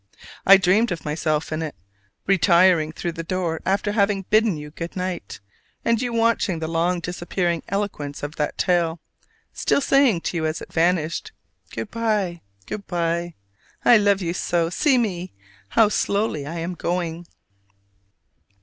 I dreamed myself in it, retiring through the door after having bidden you good night, and you watching the long disappearing eloquence of that tail, still saying to you as it vanished, "Good by, good by. I love you so! see me, how slowly I am going!"